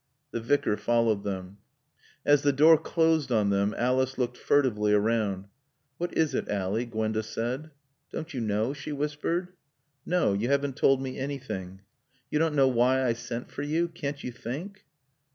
The Vicar followed them. As the door closed on them Alice looked furtively around. "What is it, Ally?" Gwenda said. "Don't you know?" she whispered. "No. You haven't told me anything." "You don't know why I sent for you? Can't you think?"